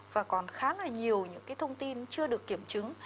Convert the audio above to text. và còn khá là nhiều những cái thông tin chưa được kiểm tra